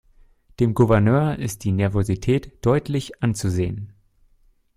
Dem Gouverneur ist die Nervosität deutlich anzusehen.